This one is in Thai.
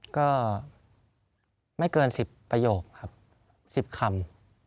ก็ไม่เกิน๑๐ประโยคครับ๑๐คำ